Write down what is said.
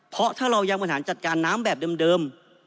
เพราะถ้าเรายังบริหารจัดการน้ำแบบเดิม